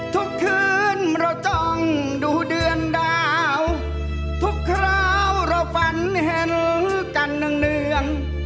ทุกคืนเราจ้องดูเดือนดาวทุกคราวเราฝันเห็นกันเนื่อง